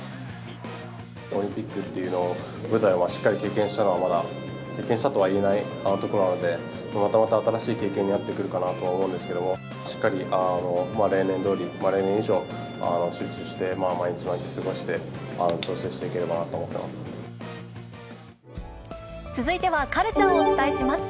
オリンピックっていう舞台をしっかり経験したのは、まだ、経験したとは言えないところなので、またまた新しい経験になってくるかなとは思うんですけども、しっかり例年どおり、例年以上、集中して、毎日毎日過ごして、続いてはカルチャーをお伝えします。